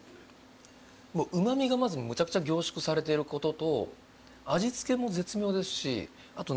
もううまみがまずめちゃくちゃ凝縮されてることと味付けも絶妙ですしあとね